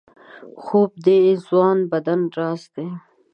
خوب د ځوان بدن راز دی